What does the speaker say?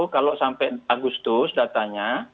kalau sampai agustus datanya